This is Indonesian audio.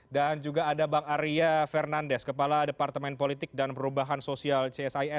dan juga ada bang arya fernandes kepala departemen politik dan perubahan sosial csis